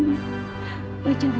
wajahimu tekin ya allah